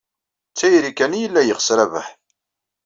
D tayri kan ay yella yeɣs Rabaḥ.